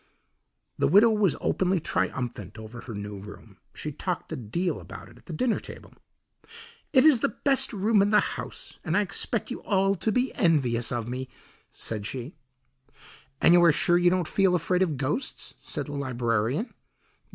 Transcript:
The widow was openly triumphant over her new room. She talked a deal about it at the dinner table. "It is the best room in the house, and I expect you all to be envious of me," said she. "And you are sure you don't feel afraid of ghosts?" said the librarian.